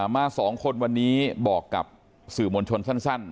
มา๒คนวันนี้บอกกับสื่อมวลชนสั้น